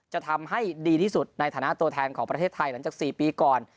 จะทำให้ดีที่สุดในฐานะตัวแทนของประเทศไทยหลังจาก๔ปีก่อน